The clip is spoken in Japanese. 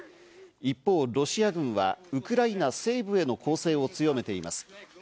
一方、ロシア軍はウクライナ西部への攻勢を強めています。